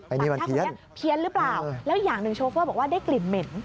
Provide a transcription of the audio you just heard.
อันนี้มันเพี้ยนแล้วอย่างหนึ่งโชเฟอร์บอกว่าได้กลิ่นเหม็น